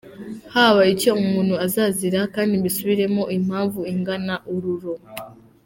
Haba icyo umuntu azazira kdi mbisubire mo, impamvu ingana ururo.